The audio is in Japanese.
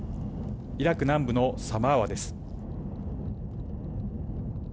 イラク南部のサマーワです。